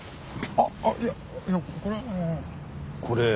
あっいやいやこれはあの。